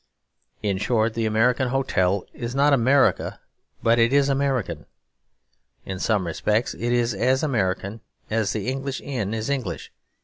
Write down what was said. In short, the American hotel is not America; but it is American. In some respects it is as American as the English inn is English.